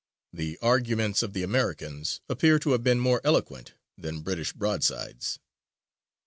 The arguments of the Americans appear to have been more eloquent than British broadsides.